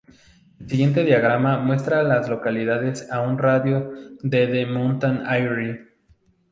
El siguiente diagrama muestra a las localidades en un radio de de Mount Airy.